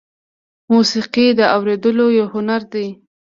موسیقي د اورېدلو یو هنر دی.